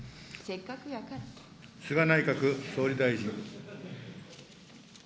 菅内閣総理大臣。